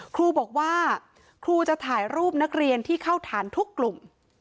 ครูบอกว่าครูจะถ่ายรูปนักเรียนที่เข้าฐานทุกกลุ่ม